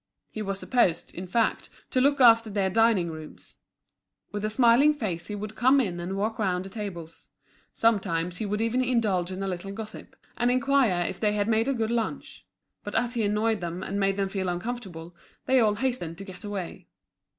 He was supposed, in fact, to look after their dining rooms. With a smiling face he would come in and walk round the tables; sometimes he would even indulge in a little gossip, and inquire if they had made a good lunch. But as he annoyed them and made them feel uncomfortable, they all hastened to get away.